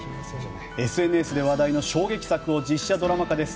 ＳＮＳで話題の衝撃作を実写ドラマ化です。